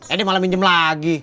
eh dia malah minjem lagi